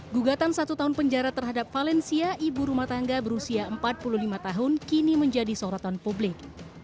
gugatan satu tahun penjara terhadap valencia ibu rumah tangga berusia empat puluh lima tahun kini menjadi sorotan publik